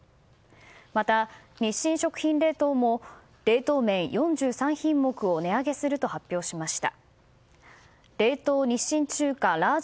また、日清食品冷凍も冷凍麺４３品目を値上げすると発表しました。